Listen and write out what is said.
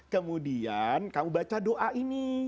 kemudian kamu baca doa ini